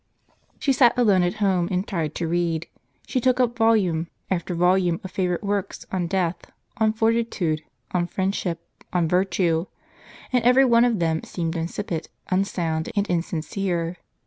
She sat alone at home, and tried to read ; she took up volume after volume of favorite works on Death, on Fortitude, on Friendship, on Virtue; and every one of them seemed insipid, unsound, and insincere.